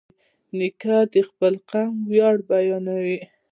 نیکه د خپل قوم ویاړ بیانوي.